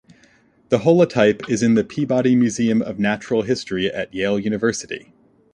The holotype is in the Peabody Museum of Natural History at Yale University.